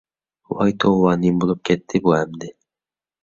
ۋاي توۋا، نېمە بولۇپ كەتتى بۇ ئەمدى.